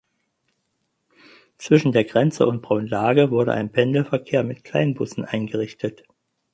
Zwischen der Grenze und Braunlage wurde ein Pendelverkehr mit Kleinbussen eingerichtet.